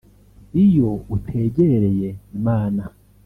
Iyo utegereye Imana